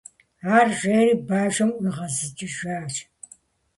- Ар жери, бажэм ӏуигъэзыкӏыжащ.